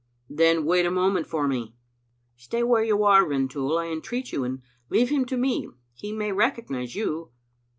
" "Then wait a moment for me." "Stay where you are, Rintoul, I entreat you, and leave him to me. He may recognize you."